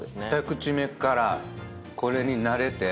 ２口目からこれに慣れて。